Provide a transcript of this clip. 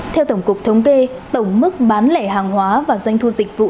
theo tổng cục thống kê tổng mức bán lẻ hàng hóa và doanh thu dịch vụ